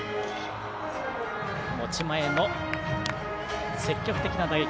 持ち前の積極的な打撃。